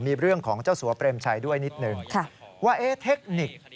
มีเรื่องของเจ้าสัวเปรมชัยด้วยนิดนึง